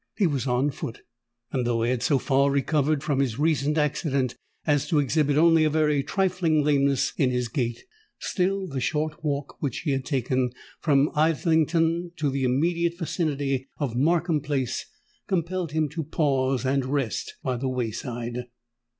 He was on foot; and though he had so far recovered from his recent accident as to exhibit only a very trifling lameness in his gait, still the short walk which he had taken from Islington to the immediate vicinity of Markham Place, compelled him to pause and rest by the way side.